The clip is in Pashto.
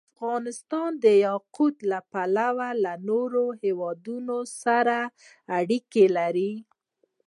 افغانستان د یاقوت له پلوه له نورو هېوادونو سره اړیکې لري.